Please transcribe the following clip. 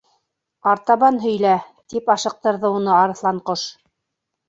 —Артабан һөйлә, —тип ашыҡтырҙы уны Арыҫланҡош.